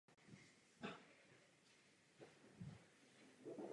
Výsledkem také bývá nedostatek sociálního povědomí a zvláštní jazyková vyjádření.